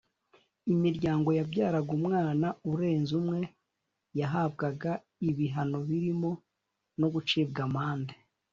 Imiryango yabyaraga umwana urenze umwe yahabwaga ibihano birimo nko gucibwa amande